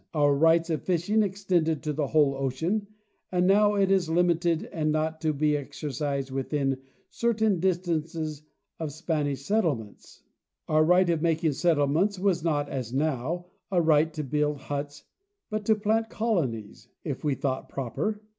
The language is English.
Our rights of fishing extended to the whole ocean, and now it is hmited and not to be exercised within certain distances of Spanish settle ments. Our right of making settlements was not as now a right to build huts, but to plant colonies, if we thought proper.